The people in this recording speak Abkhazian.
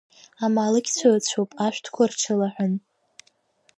Амаалықьцәа ыцәоуп ашәҭқәа рҽылаҳәан.